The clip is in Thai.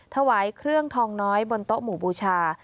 ถวายเครื่องทองน้อยบนโต๊ะหมู่บูชา